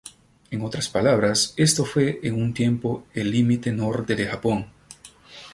En otras palabras, esto fue en un tiempo el límite norte de Japón.